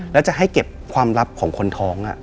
แล้วจะให้เก็บความลับของคนท้อง